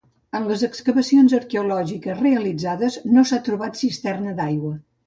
En les excavacions arqueològiques realitzades no s'ha trobat cisterna d'aigua.